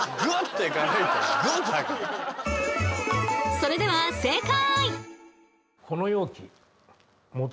それでは正解！